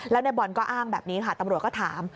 แล้วในบอลก็อ้างแบบนี้ค่ะตำรวจก็ถาม